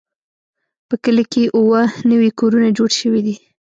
په کلي کې اووه نوي کورونه جوړ شوي دي.